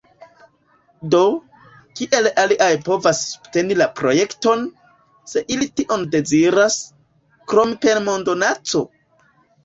Do, kiel aliaj povas subteni la projekton, se ili tion deziras, krom per mondonaco?